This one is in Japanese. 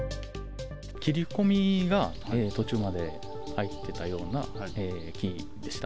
切り込みが途中まで入ってたような木でした。